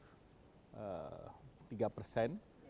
kita turun ke tiga persen